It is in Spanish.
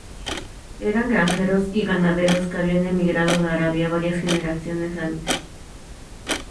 Eran granjeros y ganaderos que habían emigrado de Arabia varias generaciones antes.